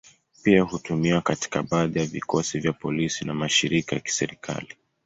Pia hutumiwa katika baadhi ya vikosi vya polisi na mashirika ya kiserikali.